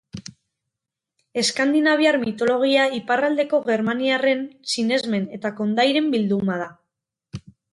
Eskandinaviar mitologia iparraldeko germaniarren sinesmen eta kondairen bilduma da.